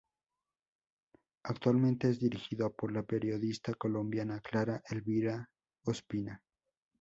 Actualmente es dirigido por la periodista colombiana Clara Elvira Ospina.